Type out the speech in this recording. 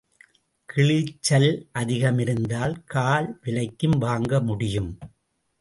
கிழிச்சல் அதிகம் இருந்தால் கால் விலைக்கும் வாங்க முடியும்.